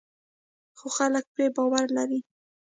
خو خلک پرې باور لري.